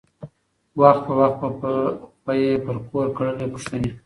وخت په وخت به یې پر کور کړلی پوښتني